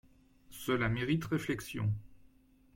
Cela mérite réflexion.